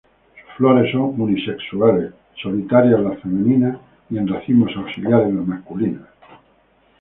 Sus flores son unisexuales, solitarias las femeninas y en racimos auxiliares las masculinas.